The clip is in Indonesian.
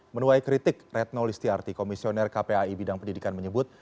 menuai kritik retno listiarti komisioner kpai bidang pendidikan menyebut